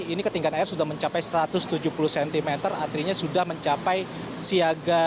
ini ketinggian air sudah mencapai satu ratus tujuh puluh cm artinya sudah mencapai siaga tiga